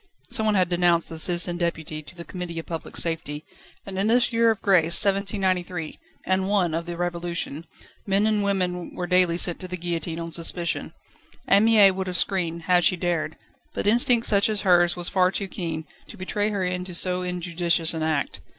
Someone had denounced the Citizen Deputy to the Committee of Public Safety; and in this year of grace, 1793, and I. of the Revolution, men and women were daily sent to the guillotine on suspicion. Anne Mie would have screamed, had she dared, but instinct such as hers was far too keen, to betray her into so injudicious an act.